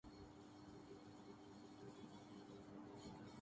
جی جی حدید نے امید سے ہونے کی تصدیق کردی